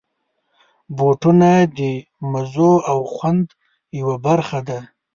بوټونه د مزو او خوند یوه برخه ده.